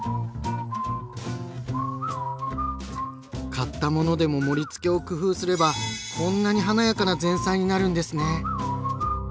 買ったものでも盛りつけを工夫すればこんなに華やかな前菜になるんですね！